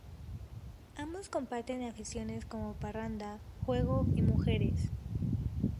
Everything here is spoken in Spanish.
Ambos comparten aficiones como parranda, juego y mujeres.